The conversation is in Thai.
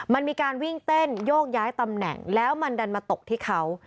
มันมีการวิ่งเต้นโยกย้ายตำแหน่งแล้วมันดันมาตกที่เขา